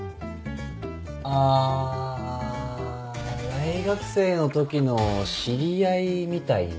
大学生のときの知り合いみたいな？